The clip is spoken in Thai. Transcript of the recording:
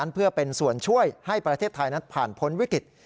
เพื่อเป็นส่วนช่วยให้ประเทศไทยนั้นผ่านพ้นวิกฤต